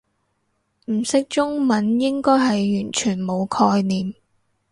唔識中文應該係完全冇概念